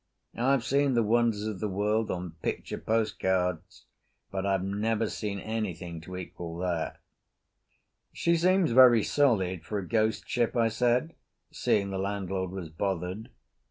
I have seen the wonders of the world on picture postcards, but I have never seen anything to equal that. "She seems very solid for a ghost ship," I said, seeing the landlord was bothered.